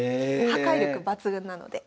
破壊力抜群なので是非。